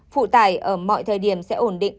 phụ tải ở mọi thời điểm sẽ ổn định